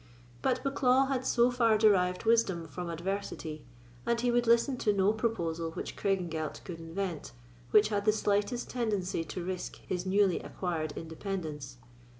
But Bucklaw had so far derived wisdom from adversity, that he would listen to no proposal which Craigengelt could invent, which had the slightest tendency to risk his newly acquired independence.